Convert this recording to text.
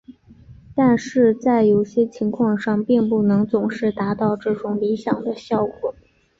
但是在有些情况上并不能总是达到这种理想的效果。